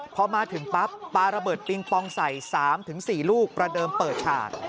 พอมาถึงปั๊บปลาระเบิดปิงปองใส่๓๔ลูกประเดิมเปิดฉาก